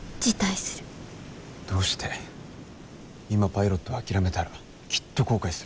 今パイロットを諦めたらきっと後悔する。